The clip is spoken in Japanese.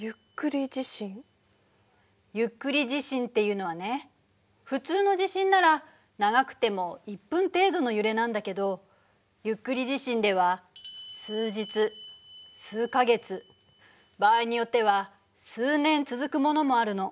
ゆっくり地震っていうのはね普通の地震なら長くても１分程度の揺れなんだけどゆっくり地震では数日数か月場合によっては数年続くものもあるの。